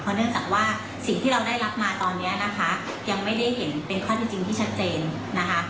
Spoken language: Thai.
เนื่องจากว่าสิ่งที่เราได้รับมาตอนนี้นะคะยังไม่ได้เห็นเป็นข้อที่จริงที่ชัดเจนนะคะ